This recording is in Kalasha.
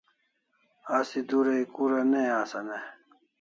Asi durai kura ne asan e?